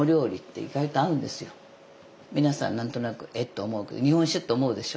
皆さん何となくえっと思うけど日本酒って思うでしょ？